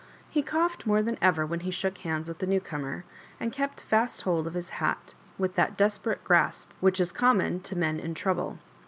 He coughed more than ever when he shook hands with the new comer, and kept fast hold of his hat with that despair ing grasp which is common to men in trouble.